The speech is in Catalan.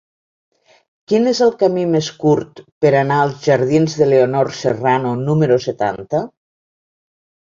Quin és el camí més curt per anar als jardins de Leonor Serrano número setanta?